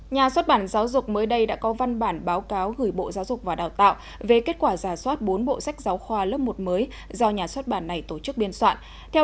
nhà xuất bản giáo dục mới đây đã có văn bản báo cáo gửi bộ giáo dục và đào tạo về kết quả giả soát bốn bộ sách giáo khoa lớp một mới do nhà xuất bản này tổ chức biên soạn